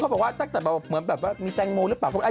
เบรคเดี๋ยวกลับมากัน